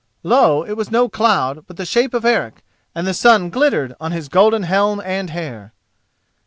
Lo! it was no cloud, but the shape of Eric, and the sun glittered on his golden helm and hair.